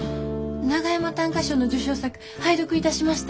長山短歌賞の受賞作拝読いたしました。